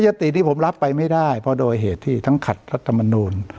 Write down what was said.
ติที่ผมรับไปไม่ได้เพราะโดยเหตุที่ทั้งขัดรัฐมนูล